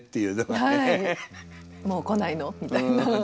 「もう来ないの」みたいな。